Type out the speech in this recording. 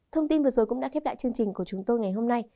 thông tin vừa rồi cũng đã khép lại chương trình của chúng tôi ngày hôm nay